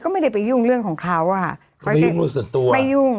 ก็ไม่ได้ไปยุ่งเรื่องของเขาอะไม่ยุ่งไม่ยุ่ง